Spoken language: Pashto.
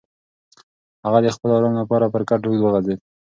هغه د خپل ارام لپاره پر کټ اوږد وغځېد.